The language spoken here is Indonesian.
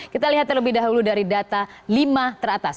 kita lihat terlebih dahulu dari data lima teratas